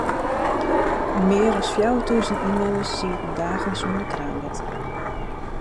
Mear as fjouwertûzen ynwenners sieten dagen sûnder kraanwetter.